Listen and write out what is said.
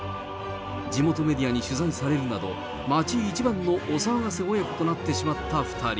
地元メディアに取材されるなど、町一番のお騒がせ親子となってしまった２人。